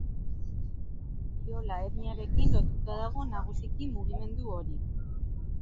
Diola etniarekin lotuta dago nagusiki mugimendu hori.